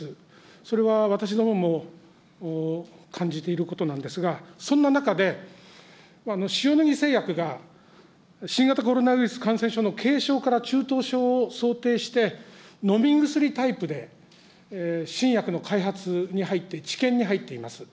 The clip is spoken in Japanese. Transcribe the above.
それは私どもも感じていることなんですが、そんな中で、塩野義製薬が新型コロナウイルス感染症の軽症から中等症を想定して、飲み薬タイプで新薬の開発に入って、治験に入っています。